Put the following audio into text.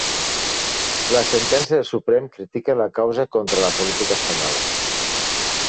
La sentència del Suprem critica la causa contra la policia espanyola